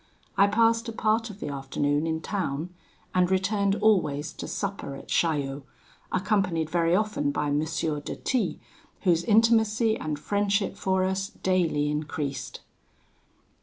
I passed a part of the afternoon in town, and returned always to supper at Chaillot, accompanied very often by M. de T , whose intimacy and friendship for us daily increased.